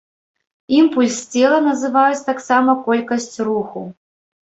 Імпульс цела называюць таксама колькасць руху.